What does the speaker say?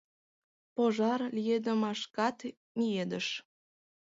Пожар лиедымашкат миедыш.